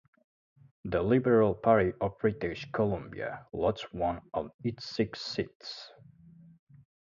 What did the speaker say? The Liberal Party of British Columbia lost one of its six seats.